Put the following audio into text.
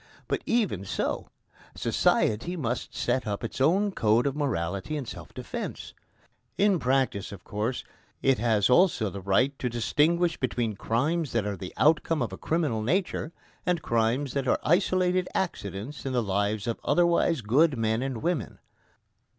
But even so society must set up its own code of morality in self defence. In practice, of course, it has also the right to distinguish between crimes that are the outcome of a criminal nature, and crimes that are isolated accidents in the lives of otherwise good men and women.